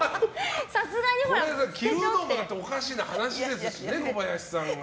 着るのもおかしな話ですしね小林さんが。